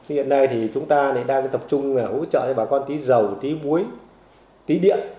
hiện nay thì chúng ta đang tập trung hỗ trợ cho bà con tí dầu tí muối tí điện